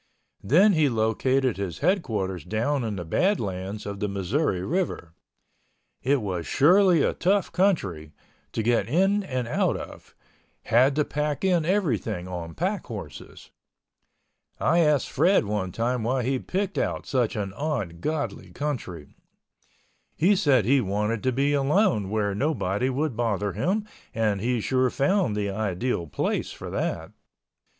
Then he located his headquarters down in the Badlands of the Missouri River. It was surely a tough country, to get in and out of—had to pack in everything on pack horses. I asked Fred one time why he picked out such an ungodly country. He said he wanted to be alone where nobody would bother him and he sure found the ideal place for that.